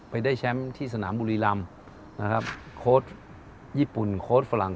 ไปได้แชมป์ที่สนามบุรีรัมโค้ดญี่ปุ่นโค้ดฝรั่ง